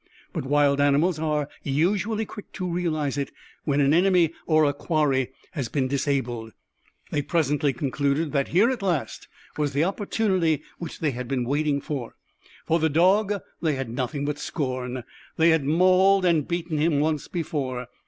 But wild animals are usually quick to realize it when an enemy or a quarry has been disabled. They presently concluded that here at last was the opportunity which they had been waiting for. For the dog they had nothing but scorn. They had mauled and beaten him once before.